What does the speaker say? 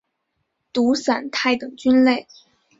毒伞肽等菌类。